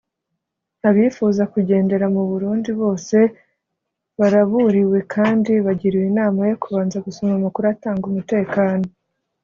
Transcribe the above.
Abifuza kugendera mu Burundi bose baraburiwe kandi bagiriwe inama yo kubanza gusoma amakuru atanga umutekano